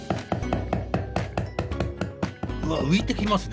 うわっ浮いてきますね